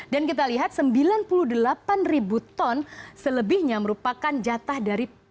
dan kita lihat sembilan puluh delapan ribu ton selebihnya merupakan jatah dari ptp